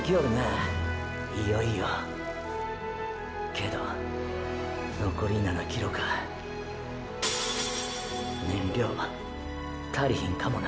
けどのこり７ｋｍか燃料足りひんかもな。